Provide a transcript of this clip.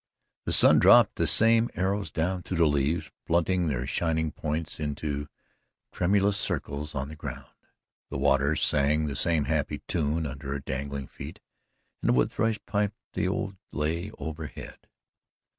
The sun dropped the same arrows down through the leaves blunting their shining points into tremulous circles on the ground, the water sang the same happy tune under her dangling feet and a wood thrush piped the old lay overhead.